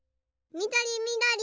みどりみどり。